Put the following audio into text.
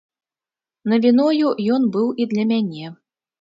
Навіною ён быў і для мяне.